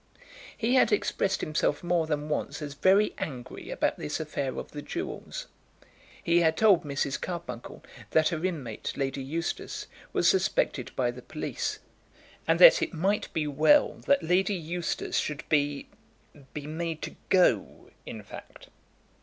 He had expressed himself more than once as very angry about this affair of the jewels. He had told Mrs. Carbuncle that her inmate, Lady Eustace, was suspected by the police, and that it might be well that Lady Eustace should be be made to go, in fact.